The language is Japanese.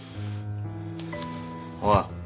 おい。